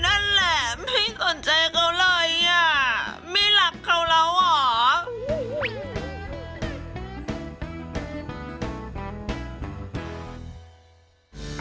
ไม่หลับเขาแล้วหรอ